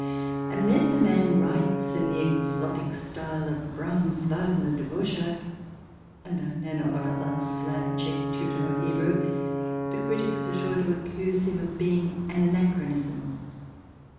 Unless a man writes in the exotic style of Brahms, Wagner, Dvořák and I know not what other Slav, Czech, Teuton or Hebrew, the critics are sure to accuse him of being an anachronism.